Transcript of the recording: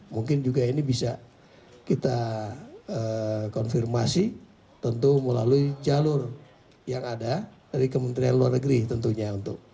mungkin juga ini bisa kita konfirmasi tentu melalui jalur yang ada dari kementerian luar negeri tentunya